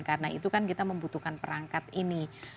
karena itu kan kita membutuhkan perangkat ini